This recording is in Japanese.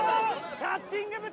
キャッチング部隊！